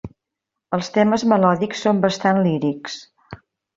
Els temes melòdics són bastant lírics.